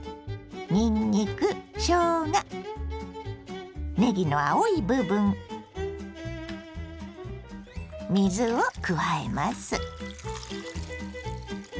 にんにくしょうがねぎの青い部分水を加えます。